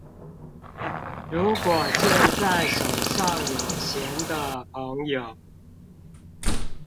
如果現在手上有閒的朋友